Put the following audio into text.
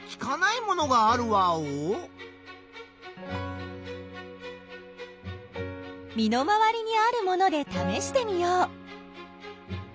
みの回りにあるものでためしてみよう。